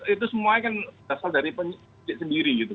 itu semua kan berasal dari penyidik sendiri